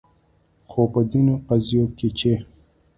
خو په ځینو قضیو کې چې